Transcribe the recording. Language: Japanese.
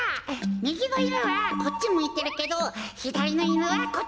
みぎのいぬはこっちむいてるけどひだりのいぬはこっちむいてる。